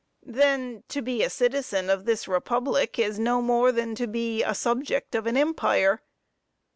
Then, to be a citizen of this republic, is no more than to be a subject of an empire.